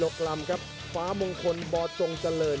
โอ้โหไม่พลาดกับธนาคมโด้แดงเขาสร้างแบบนี้